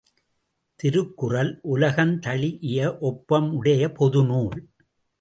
திருக்குறள் உலகந்தழீஇய ஒப்பமுடைய பொது நூல்!